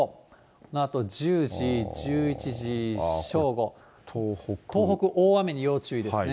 このあと１０時、１１時、正午、東北、大雨に要注意ですね。